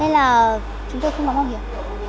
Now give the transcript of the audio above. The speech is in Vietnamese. nên là chúng tôi không có bảo hiểm